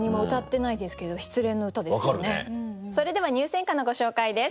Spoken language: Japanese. それでは入選歌のご紹介です。